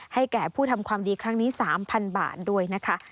แก่ผู้ทำความดีครั้งนี้๓๐๐๐บาทด้วยนะคะ